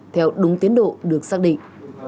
theo đúng tiến độ được xác định